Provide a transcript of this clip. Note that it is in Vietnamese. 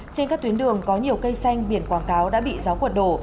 trên các tuyến đường có nhiều cây xanh biển quảng cáo đã bị gió cuột đổ